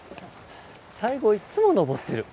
最後いっつも上ってる。